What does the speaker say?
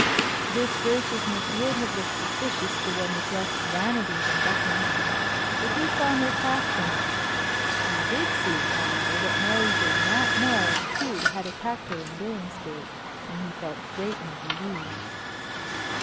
This graciousness would have looked suspicious to one with less vanity than Buckingham, but he saw no craft in it. He did see, however, that Mary did not know who had attacked her in Billingsgate, and he felt greatly relieved.